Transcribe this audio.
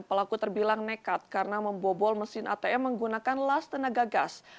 pelaku terbilang nekat karena membobol mesin atm menggunakan las tenaga gas